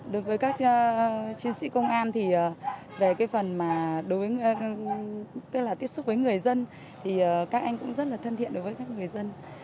đối với các chiến sĩ công an về phần tiếp xúc với người dân các anh cũng rất thân thiện với người dân